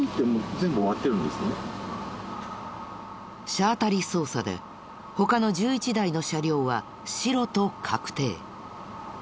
車当たり捜査で他の１１台の車両はシロと確定。